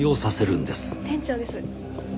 店長です。